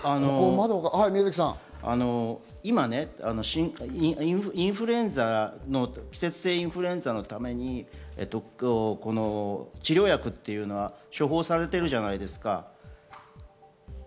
今、インフルエンザの、季節性インフルエンザのために治療薬というのは処方されているじゃないですか。